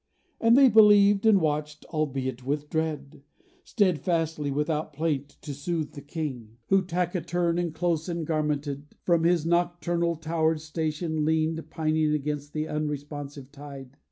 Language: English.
And they believed and watched, albeit with dread, Steadfastly without plaint, to soothe the king, Who, taciturn and close engarmented, From his nocturnal towered station leaned Pining against the unresponsive tide.